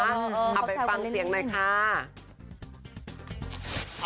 เอาไปฟังเสียงหน่อยค่ะ